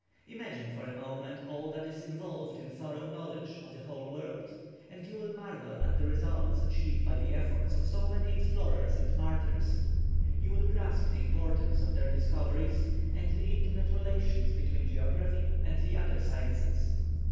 Imagine for a moment all that is involved in thorough knowledge of the whole world, and you will marvel at the results achieved by the efforts of so many explorers and martyrs, you will grasp the importance of their discoveries and the intimate relations between geography and all the other sciences.